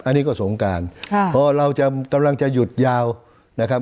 อันนี้ก็สงการค่ะพอเราจะกำลังจะหยุดยาวนะครับ